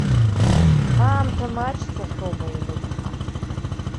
Аамҭа маҷ цахьоума инықәҳа?